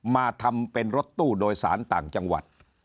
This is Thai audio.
มาทำเป็นรถตู้โดยสารต่างจังหวัด